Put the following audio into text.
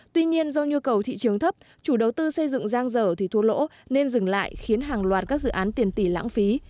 tuy nhiên do nhu cầu thị trường thấp chủ đầu tư xây dựng giang dở thì thua lỗ nên dừng lại khiến hàng loạt các dự án tiền tỷ lãng phí